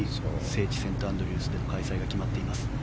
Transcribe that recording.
聖地、セントアンドリュースでの開催が決まっています。